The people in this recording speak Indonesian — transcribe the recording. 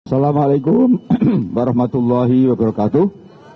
assalamu alaikum warahmatullahi wabarakatuh